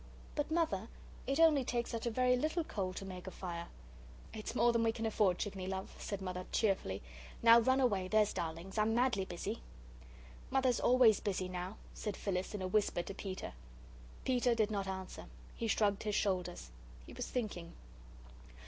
"But, Mother, it only takes such a very little coal to make a fire." "It's more than we can afford, chickeny love," said Mother, cheerfully. "Now run away, there's darlings I'm madly busy!" "Mother's always busy now," said Phyllis, in a whisper to Peter. Peter did not answer. He shrugged his shoulders. He was thinking.